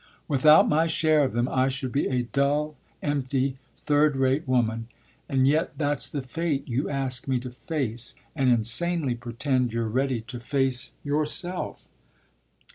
Without my share of them I should be a dull, empty, third rate woman, and yet that's the fate you ask me to face and insanely pretend you're ready to face yourself."